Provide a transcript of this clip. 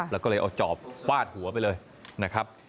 แล้วก็เลยเอาจอบฟาดหัวไปเลยนะครับ